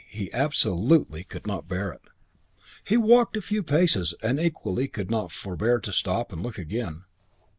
He absolutely could not bear it. He walked a few paces and equally could not forbear to stop and look again.